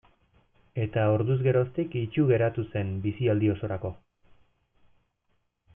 Eta orduz geroztik itsu geratu zen bizialdi osorako.